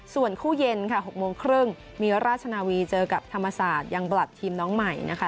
ส่วนคู่เย็นค่ะ๖โมงครึ่งมีราชนาวีเจอกับธรรมศาสตร์ยังบลัดทีมน้องใหม่นะคะ